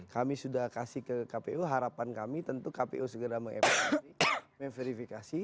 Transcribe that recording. kami sudah kasih ke kpu harapan kami tentu kpu segera meverifikasi